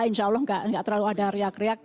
insya allah tidak terlalu ada riak riak